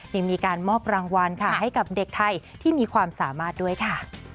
ยังมีการมอบรางวัลค่ะให้กับเด็กไทยที่มีความสามารถด้วยค่ะ